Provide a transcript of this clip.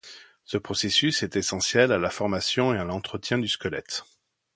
Ce processus est essentiel à la formation et à l'entretien du squelette.